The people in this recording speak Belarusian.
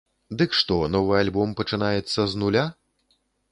Дык што, новы альбом пачынаецца з нуля?